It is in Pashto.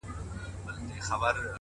زه په دې خپل سركــي اوبـــه څـــښـمــه،